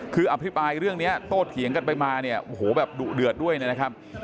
คืออภิปรายเรื่องนี้โต้เถียงกันไปมาเนี่ยโอ้โหแบบดุเดือดด้วยนะครับ